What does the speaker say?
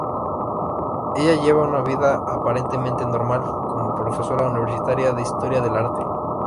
Ella lleva una vida aparentemente normal como profesora universitaria de historia del arte.